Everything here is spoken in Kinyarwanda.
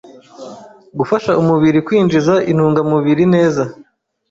Gufasha umubiri kwinjiza intungamubiri neza